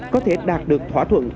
có thể đạt được thỏa thuận